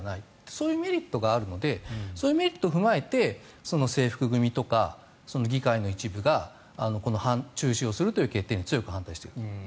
そういうメリットがあるのでそういうメリットを踏まえて制服組とか議会の一部がこの中止するという決定に強く反対している。